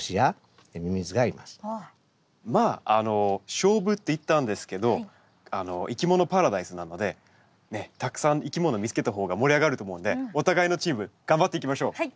まあ勝負って言ったんですけど「いきものパラダイス」なのでたくさんいきもの見つけたほうが盛り上がると思うんでお互いのチーム頑張っていきましょう。